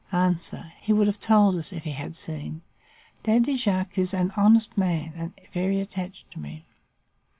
"A. He would have told us if he had seen. Daddy Jacques is an honest man and very attached to me.